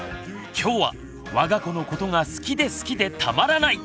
今日は我が子のことが好きで好きでたまらない！